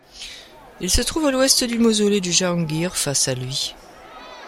Il se trouve à l’ouest du mausolée de Jahangir, face à lui.